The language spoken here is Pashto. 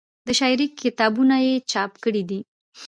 د شاعرۍ کتابونه یې چاپ کړي دي